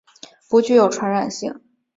不具有传染性。